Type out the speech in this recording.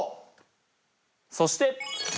そして。